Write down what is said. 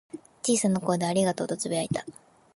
小さな声で「ありがとう」とつぶやいた。